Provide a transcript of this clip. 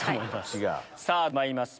さぁまいります